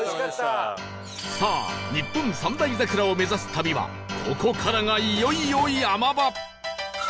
さあ日本三大桜を目指す旅はここからがいよいよ山場